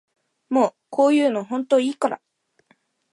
もうこういうのほんといいから